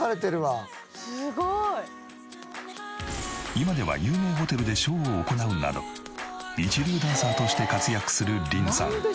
今では有名ホテルでショーを行うなど一流ダンサーとして活躍するリンさん。